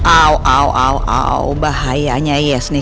au au au au bahayanya yes nih